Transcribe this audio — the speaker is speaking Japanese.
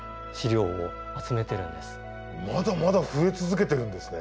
まだまだ増え続けてるんですね。